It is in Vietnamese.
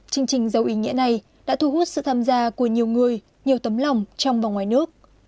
chương trình giàu ý nghĩa này đã thu hút sự tham gia của nhiều người nhiều tấm lòng trong và ngoài nước